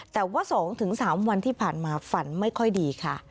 แต่ว่า๒๓วันที่ผ่านมาฝันไม่ค่อยดีค่ะ